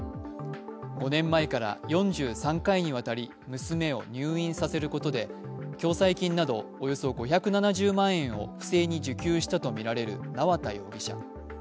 ５年前から４３回にわたり娘を入院させることで共済金など、およそ５７０万円を不正に受給したとみられる縄田容疑者。